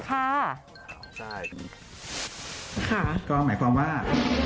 ก็หมายความว่า